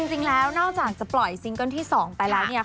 จริงแล้วนอกจากจะปล่อยซิงเกิลที่๒ไปแล้วเนี่ย